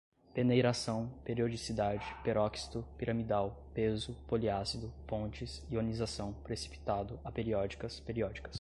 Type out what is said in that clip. peneiração, periodicidade, peróxido, piramidal, peso, poliácido, pontes, ionização, precipitado, aperiódicas, periódicas